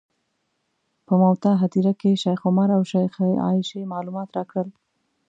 په موته هدیره کې شیخ عمر او شیخې عایشې معلومات راکړل.